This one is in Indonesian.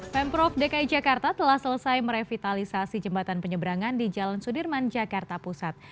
pemprov dki jakarta telah selesai merevitalisasi jembatan penyeberangan di jalan sudirman jakarta pusat